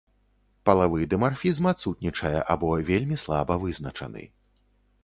Палавы дымарфізм адсутнічае або вельмі слаба вызначаны.